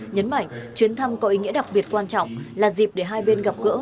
nhấn mạnh chuyến thăm có ý nghĩa đặc biệt quan trọng là dịp để hai bên gặp gỡ